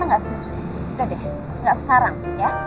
udah deh gak sekarang ya